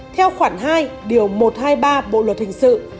theo khoản hai điều một trăm hai mươi ba bộ luật hình sự